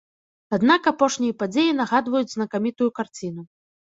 Аднак апошнія падзеі нагадваюць знакамітую карціну.